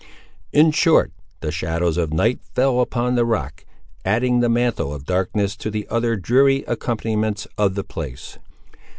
In short, the shadows of night fell upon the rock, adding the mantle of darkness to the other dreary accompaniments of the place.